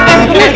kita mau pak